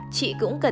chị cũng cẩn thận